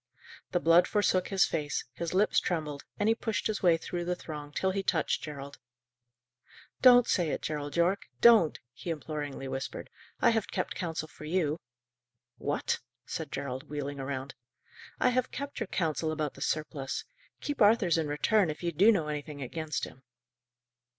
The blood forsook his face, his lips trembled, and he pushed his way through the throng till he touched Gerald. "Don't say it, Gerald Yorke! Don't!" he imploringly whispered. "I have kept counsel for you." "What?" said Gerald, wheeling round. "I have kept your counsel about the surplice. Keep Arthur's in return, if you do know anything against him."